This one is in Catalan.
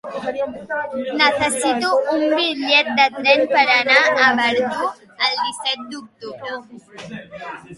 Necessito un bitllet de tren per anar a Verdú el disset d'octubre.